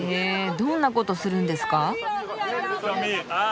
どんなことするんですか？